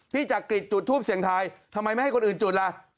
จักริตจุดทูปเสียงทายทำไมไม่ให้คนอื่นจุดล่ะ